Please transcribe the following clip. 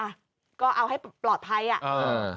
อ่ะก็เอาให้ปลอดภัยอ่ะอ่า